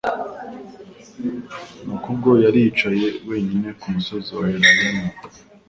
nuko ubwo yari yicaye wenyine ku musozi wa Elayono,